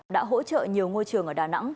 đã hỗ trợ nhiều ngôi trường ở đà nẵng